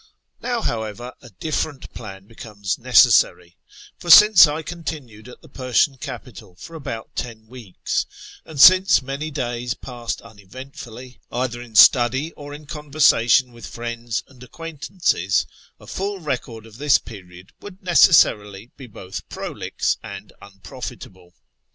Now, however, a different plan becomes necessary ; for since I continued at the Persian capital for about ten weeks, and since many days passed uneventfully, either in study or in conversation w^ith friends and acquaintances, a full record of this period would necessarily be both prolix and unprofitable.